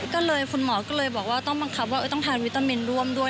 ก็เลยคุณหมอก็เลยบอกว่าต้องบังคับว่าต้องทานวิตามินร่วมด้วย